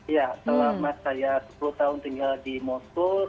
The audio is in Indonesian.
iya selama saya sepuluh tahun tinggal di mosul